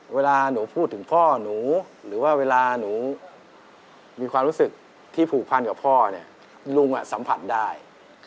เวลาหนูพูดถึงพ่อหนูหรือว่าเวลาหนูมีความรู้สึกที่ผูกพันกับพ่อเนี่ยลุงสัมผัสได้